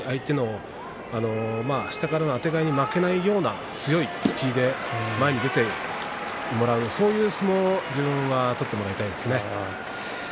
下からのあてがいに負けないような強い突きで前に出てもらうそういう自分の相撲を取ってもらいたいですね。